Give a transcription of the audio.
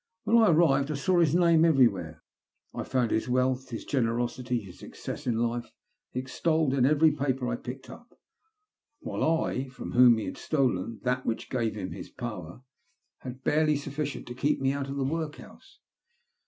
When I arrived I saw his name every where. I found his wealth, his generosity, his success in life, extolled in every paper I picked *up ; while I, from whom he had stolen that which gave him his power, had barely sufficient to keep me out of the workhouse.